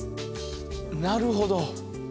なるほど。